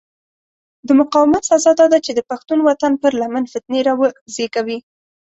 د مقاومت سزا داده چې د پښتون وطن پر لمن فتنې را وزېږي.